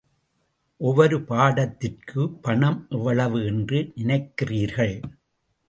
ஒவ்வொரு படத்திற்கு பணம் எவ்வளவு என்று நினைக்கிறீர்கள்?